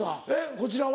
こちらは？